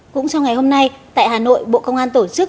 cũng trong ngày hôm nay tại hà nội bộ công an tổ chức